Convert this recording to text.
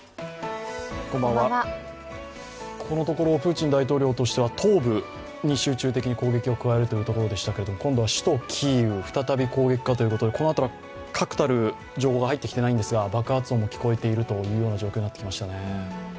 ここのところ、プーチン大統領としては東部に集中的に攻撃を加えるということでしたが今度は首都キーウ再び攻撃かということでこの辺り確たる情報が入っていないんですが、爆発音が聞こえているという状況になってきましたね。